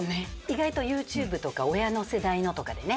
意外とＹｏｕＴｕｂｅとか親の世代のとかでね。